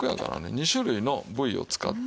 ２種類の部位を使って。